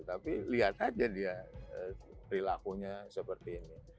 tapi lihat aja dia perilakunya seperti ini